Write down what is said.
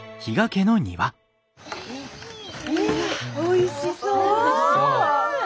おいしそう！